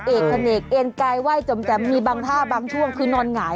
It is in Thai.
เอ็กข่านเอกเอกแก้แว่งจำแต่มีบางท่าบางช่วงคือนอนหงาย